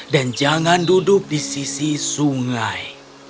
dan jangan duduk di sisi sungai